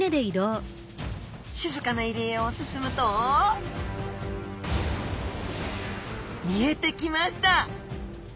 静かな入り江を進むと見えてきました！